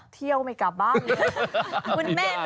เที่ยวไม่กลับบ้านเลย